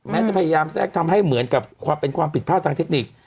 จะพยายามแทรกทำให้เหมือนกับความเป็นความผิดพลาดทางเทคนิค